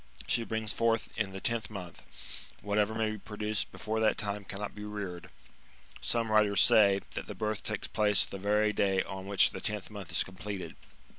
She brings forth in the tenth month ; whatever may be produced before that time cannot be reared. Some writers say, that the birth takes place the veiy day on which the tenth month is completed.